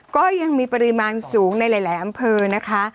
ก็ยังมีปริมาณสูงในหลายอำเภอนะคะ